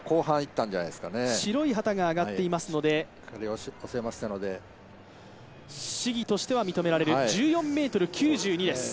白い旗が上がっていますので、試技としては認められる、１４ｍ９２です。